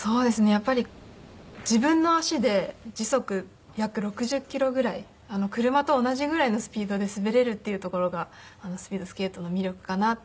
やっぱり自分の足で時速約６０キロぐらい車と同じぐらいのスピードで滑れるっていうところがスピードスケートの魅力かなっていうふうに思います。